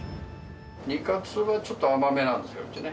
煮カツはちょっと甘めなんですよ、うちね。